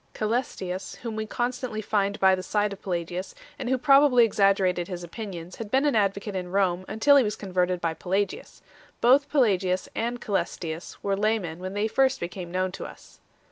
Cselestius, whom we constantly find by the side of Pelagius, and who probably exaggerated his opinions, had been an advocate in Rome until he was converted by Pelagius. Both Pelagius and Ca?lestius were laymen when they first become known to us.